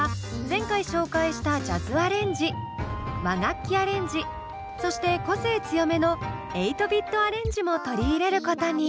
前回紹介したジャズアレンジ和楽器アレンジそして個性強めの８ｂｉｔアレンジも取り入れることに。